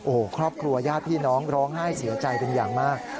โอ้โหครอบครัวญาติพี่น้องร้องไห้เสียใจเป็นอย่างมาก